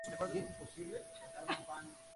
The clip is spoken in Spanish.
El Ayuntamiento se sitúa en Chiesa.